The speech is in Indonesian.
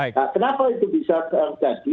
kenapa itu bisa terjadi